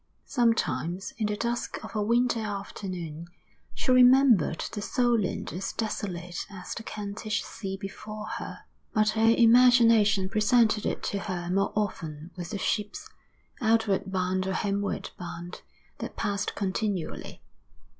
Sometimes, in the dusk of a winter afternoon, she remembered the Solent as desolate as the Kentish sea before her; but her imagination presented it to her more often with the ships, outward bound or homeward bound, that passed continually.